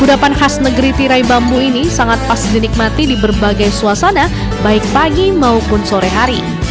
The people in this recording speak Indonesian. kudapan khas negeri tirai bambu ini sangat pas dinikmati di berbagai suasana baik pagi maupun sore hari